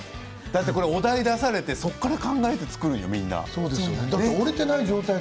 お題を出されてそこから考えるのよ、みんな。